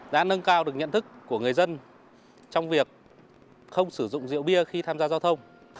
đã nâng cao được nhận thức của người dân trong việc không sử dụng rượu bia khi tham gia giao thông